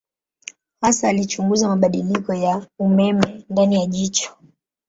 Hasa alichunguza mabadiliko ya umeme ndani ya jicho.